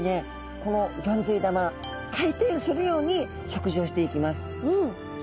このギョンズイ玉回転するように食事をしていきます。